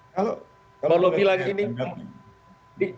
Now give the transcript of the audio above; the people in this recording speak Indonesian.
kalau boleh saya tanggapi